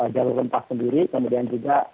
jalur rempah sendiri kemudian juga